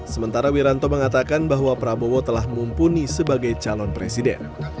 sementara wiranto mengatakan bahwa prabowo telah mumpuni sebagai calon presiden